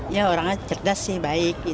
ya orangnya cerdas sih baik